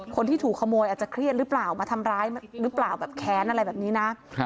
คนที่ถูกขโมยอาจจะเครียดหรือเปล่ามาทำร้ายหรือเปล่าแบบแค้นอะไรแบบนี้นะ